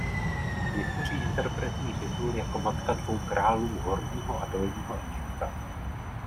Někteří interpretují titul jako "„Matka dvou králů Horního a Dolního Egypta“".